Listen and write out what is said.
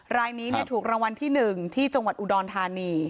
รายนี้ถูกรางวัลที่๑ที่จังหวัดอุดรธานี